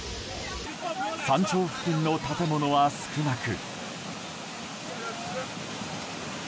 山頂付近の建物は少なく。